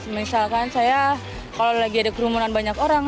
misalkan saya kalau lagi ada kerumunan banyak orang